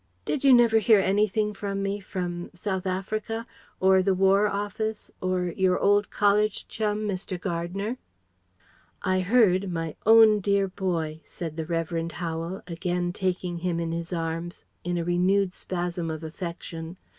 "Did you never hear anything about me from ... South Africa ... or the War Office or your old college chum, Mr. Gardner?" "I heard my own dear boy " said the Revd. Howel, again taking him in his arms in a renewed spasm of affection.